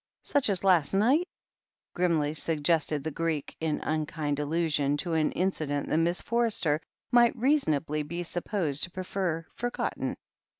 "Such as last night," grimly suggested the Greek, in unkind allusion to an incident that Miss Forster might reasonably be supposed to prefer forgotten.